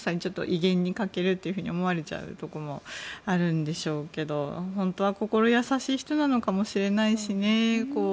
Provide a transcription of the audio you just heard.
威厳に欠けると思われちゃうところもあるんでしょうけど本当は心優しい人なのかもしれないしね。